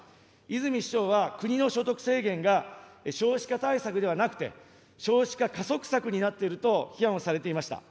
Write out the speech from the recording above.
泉市長は、国の所得制限が、少子化対策ではなくて、少子化加速化になっていると批判をされていました。